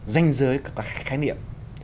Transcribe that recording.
danh giới các khái niệm